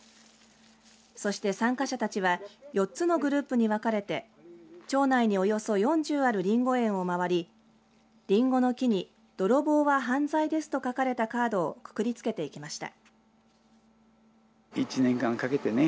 そして参加者たちは４つのグループに分かれて町内におよそ４０あるりんご園を回りりんごの木に泥棒は犯罪ですと書かれたカードをくくりつけていきました。